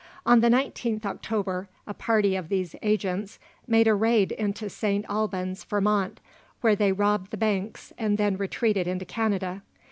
On the 19th October, a party of these "agents" made a raid into St. Albans, Vermont, where they robbed the banks, and then retreated into Canada.